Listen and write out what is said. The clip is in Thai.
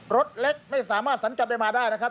รถเล็กไม่สามารถสัญจรได้มาได้นะครับ